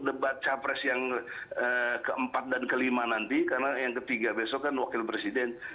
debat capres yang keempat dan kelima nanti karena yang ketiga besok kan wakil presiden